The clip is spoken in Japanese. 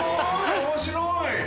面白い。